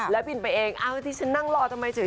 แล้วบินไปเองอ้าวที่ฉันนั่งรอทำไมเฉย